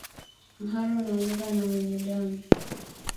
Mharo unaonuka na wenye damu